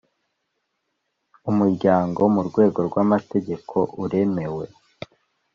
Umuryango mu rwego rw’amategeko uremewe